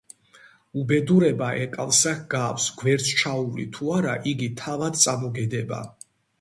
უბედურება ეკალსა ჰგავს, გვერდს ჩაუვლი თუ არა, იგი თავად წამოგედება,